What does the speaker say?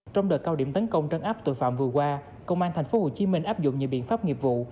trong đợt cao điểm tấn công trấn áp tội phạm vừa qua công an tp hcm áp dụng nhiều biện pháp nghiệp vụ